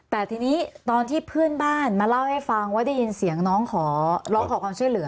แต่ทีนี้ตอนที่เพื่อนบ้านมาเล่าให้ฟังว่าได้ยินเสียงน้องขอร้องขอความช่วยเหลือ